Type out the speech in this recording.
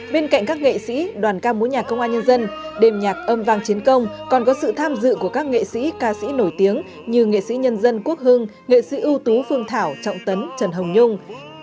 bên cạnh các nghệ sĩ đoàn ca mối nhạc công an nhân dân đêm nhạc âm vang chiến công còn có sự tham dự của các nghệ sĩ ca sĩ nổi tiếng như nghệ sĩ nhân dân quốc hưng nghệ sĩ ưu tú phương thảo trọng tấn trần hồng nhung